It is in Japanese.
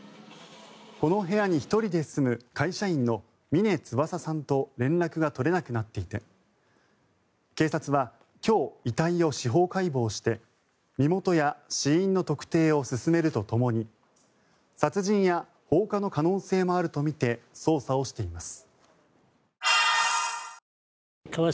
この部屋に１人で住む会社員の峰翼さんと連絡が取れなくなっていて警察は今日、遺体を司法解剖して身元や死因の特定を進めるとともに殺人や放火の可能性もあるとみて捜査をしています。